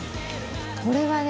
これはね